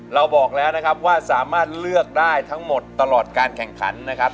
บอกแล้วนะครับว่าสามารถเลือกได้ทั้งหมดตลอดการแข่งขันนะครับ